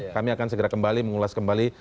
kami akan segera kembali mengulas kembali